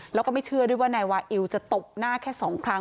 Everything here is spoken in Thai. แล้วก็ไม่เชื่อด้วยว่านายวาอิวจะตบหน้าแค่๒ครั้ง